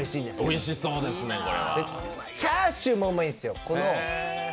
このチャーシュー！